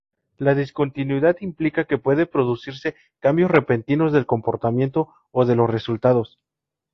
La discontinuidad implica que pueden producirse cambios repentinos del comportamiento o de los resultados.